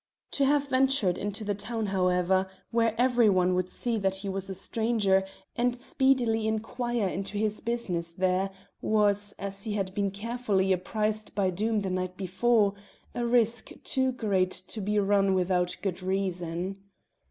To have ventured into the town, however, where every one would see he was a stranger and speedily inquire into his business there, was, as he had been carefully apprised by Doom the night before, a risk too great to be run without good reason.